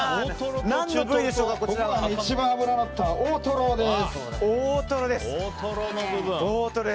一番脂がのった大トロです。